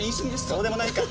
そうでもないか。